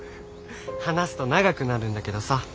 話すと長くなるんだけどさ。